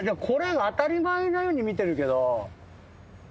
これが当たり前のように見てるけど。